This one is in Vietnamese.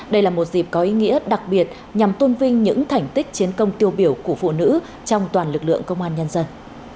đây là một dịp có ý nghĩa đặc biệt nhằm tôn vinh những thành tích chiến công tiêu biểu của phụ nữ trong toàn lực lượng công an nhân dân